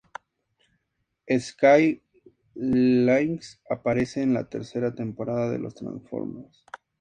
Sky Lynx aparece en la tercera temporada de los Transformers.